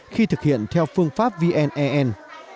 khi thực hiện theo phương pháp vnen